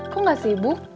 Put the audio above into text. kok nggak sibuk